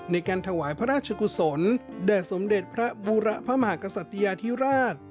ในการถวายพระราชกุศลแด่สมเด็จพระบูระพระมหากษัตยาธิราช